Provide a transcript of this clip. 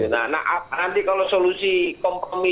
nah nanti kalau solusi kompromi